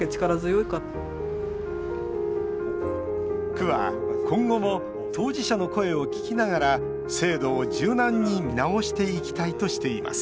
区は今後も当事者の声を聞きながら制度を柔軟に見直していきたいとしています